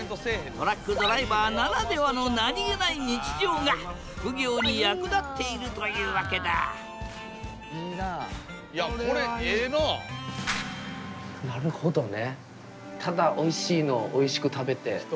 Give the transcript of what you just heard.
トラックドライバーならではの何気ない日常が副業に役立っているというわけだなるほどね。